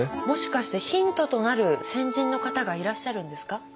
もしかしてヒントとなる先人の方がいらっしゃるんですか？